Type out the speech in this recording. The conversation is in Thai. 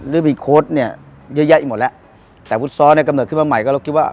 หรือมีโค้ดเนี่ยเยอะแยะไปหมดแล้วแต่ฟุตซอลเนี่ยกำเนิดขึ้นมาใหม่ก็เราคิดว่า